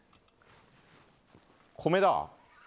「米」だ。